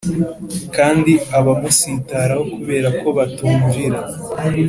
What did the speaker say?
' kandi abamusitaraho kubera ko batumvira,